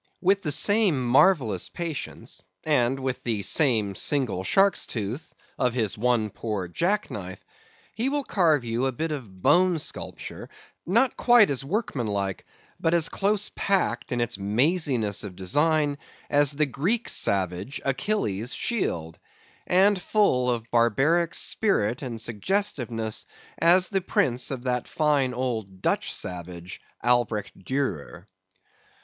With the same marvellous patience, and with the same single shark's tooth, of his one poor jack knife, he will carve you a bit of bone sculpture, not quite as workmanlike, but as close packed in its maziness of design, as the Greek savage, Achilles's shield; and full of barbaric spirit and suggestiveness, as the prints of that fine old Dutch savage, Albert Durer.